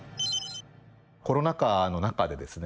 コロナ禍の中でですね